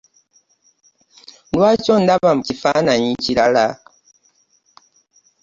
Lwaki ondaba mu kifaananyi kirala?